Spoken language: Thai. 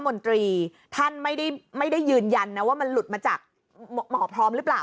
มนตรีท่านไม่ได้ไม่ได้ยืนยันนะว่ามันหลุดมาจากหมอพร้อมหรือเปล่า